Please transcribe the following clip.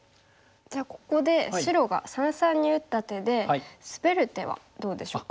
じゃあここで白が三々に打った手でスベる手はどうでしょうか？